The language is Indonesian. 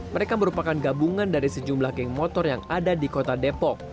mereka merupakan gabungan dari sejumlah geng motor yang ada di kota depok